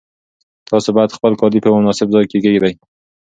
تاسو باید خپل کالي په یو مناسب ځای کې کېږدئ.